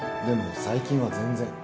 でも最近は全然。